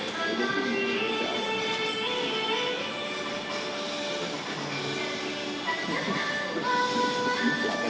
สวัสดีครับ